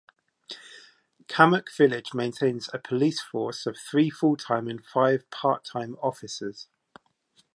Cammack Village maintains a police force of three full-time and five part-time officers.